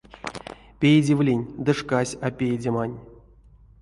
Пейдевлинь, ды шкась а пейдемань.